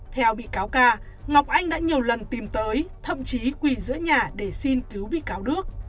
theo bị cáo ca ngọc anh đã nhiều lần tìm tới thậm chí quỳ giữa nhà để xin cứu bị cáo đức